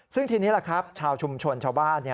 ซึ่งทีนี้ชาวชุมชนชาวบ้าน